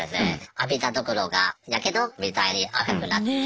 浴びたところがやけど？みたいに赤くなって。